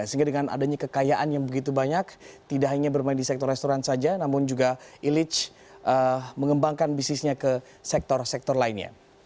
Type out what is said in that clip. sehingga dengan adanya kekayaan yang begitu banyak tidak hanya bermain di sektor restoran saja namun juga illege mengembangkan bisnisnya ke sektor sektor lainnya